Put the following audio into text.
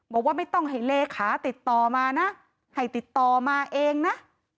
บอกว่าไม่ต้องให้เลขาติดต่อมานะให้ติดต่อมาเองนะ